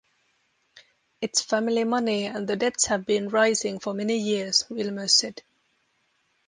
"It's family money and the debts have been rising for many years," Wilmers said.